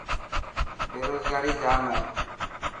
بيروزگاري ڄام هي.